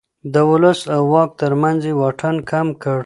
د ولس او واک ترمنځ يې واټن کم کړ.